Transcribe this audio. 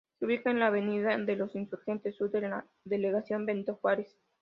Se ubica en la Avenida de los Insurgentes Sur, en la Delegación Benito Juárez.